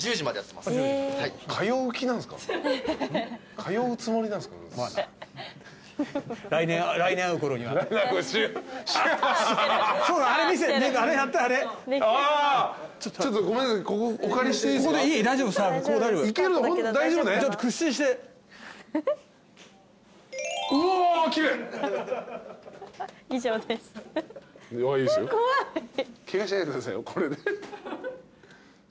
ケガしないでくださいよこれで。